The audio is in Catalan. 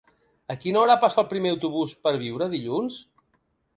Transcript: A quina hora passa el primer autobús per Biure dilluns?